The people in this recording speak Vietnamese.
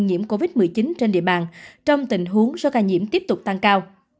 nhiễm covid một mươi chín trên địa bàn trong tình huống số ca nhiễm tiếp tục tăng cao